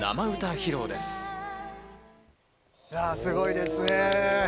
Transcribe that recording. いや、すごいですね。